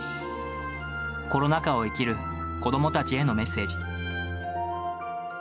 コロナ禍を生きる子どもたちへのメッセージ。